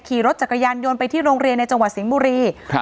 ขี่รถจักรยานยนต์ไปที่โรงเรียนในจังหวัดสิงห์บุรีครับ